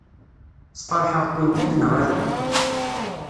Sfeṛḥeɣ-kent-id neɣ ala?